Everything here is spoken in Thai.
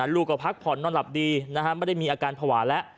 ดูก็พักผ่อนนอนหลับดีนะฮะไม่ได้มีอาการผวายและ